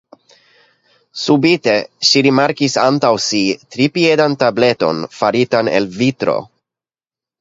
Subite ŝi rimarkis antaŭ si tripiedan tableton faritan el vitro.